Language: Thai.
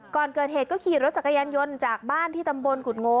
ก่อนเกิดเหตุก็ขี่รถจักรยานยนต์จากบ้านที่ตำบลกุฎโง